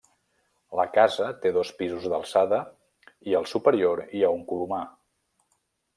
La casa té dos pisos d'alçada i al superior hi ha un colomar.